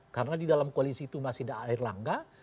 karena di dalam koalisi itu masih ada air langga